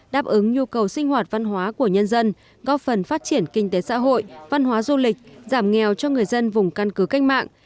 đáp ứng nhu cầu sinh hoạt văn hóa của nhân dân góp phần phát triển kinh tế xã hội văn hóa du lịch giảm nghèo cho người dân vùng căn cứ cách mạng